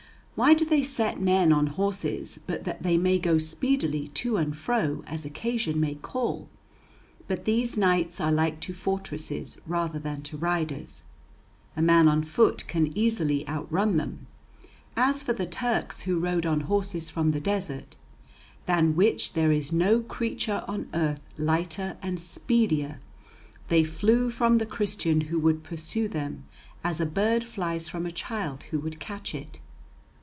Why do they set men on horses but that they may go speedily to and fro as occasion may call? but these knights are like to fortresses rather than to riders. A man on foot can easily outrun them; as for the Turks who rode on horses from the desert than which there is no creature on earth lighter and speedier they flew from the Christian who would pursue them, as a bird flies from a child who would catch it.